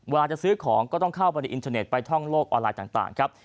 เวลาจะซื้อของก็ต้องเข้าไปในอินเทอร์เน็ตไปท่องโลกออนไลน์ต่างครับ